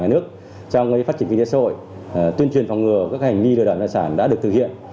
ngành nước trong phát triển kinh tế xã hội tuyên truyền phòng ngừa các hành nghi lừa đảo đoạn sản đã được thực hiện